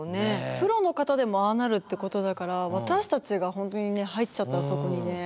プロの方でもああなるってことだから私たちが本当にね入っちゃったらそこにね。